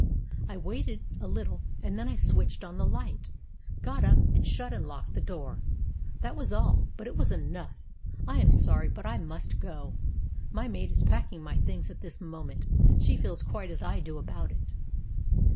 I waited a little, and then I switched on the light, got up, and shut and locked the door. That was all, but it was enough. I am sorry, but I must go. 248 STORIES WITHOUT TEARS My maid is packing my things at this moment she feels quite as I do about it."